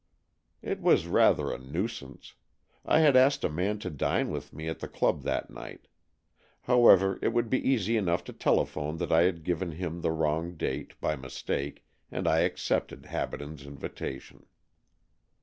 It was rather a nuisance. I had asked a man to dine with me at the club that night. However, it would be easy enough to tele phone that I had given him the wrong date by mistake, and I accepted Habaden's invitation.